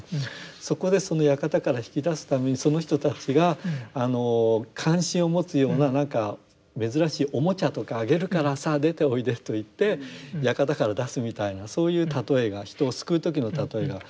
そこでその館から引き出すためにその人たちが関心を持つようななんか珍しいおもちゃとかあげるからさあ出ておいでと言って館から出すみたいなそういう例えが人を救う時の例えが。